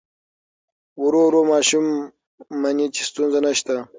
ورو ورو ماشوم مني چې ستونزه نشته.